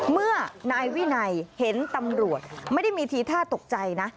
เมื่อนายวินัยเห็นตำรวจไม่ได้มีทีท่าตกใจนะ